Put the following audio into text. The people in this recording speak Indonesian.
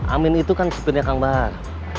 amin itu kan supirnya kang bar